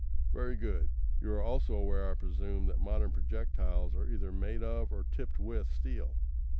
"Very good. You are also aware, I presume, that modern projectiles are either made of or tipped with steel.